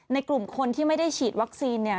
กลุ่มคนที่ไม่ได้ฉีดวัคซีน